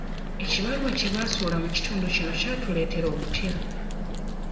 Ekibaluwa kye baasuula mu kitundu kino kyatuleetera okutya.